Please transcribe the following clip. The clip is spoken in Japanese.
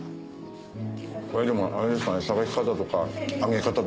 これでもあれですかね。